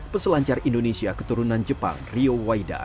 peselancar indonesia keturunan jepang rio waida